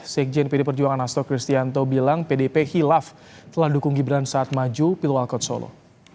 sekjen pd perjuangan hasto kristianto bilang pdip hilaf telah dukung gibran saat maju pilwal kot solo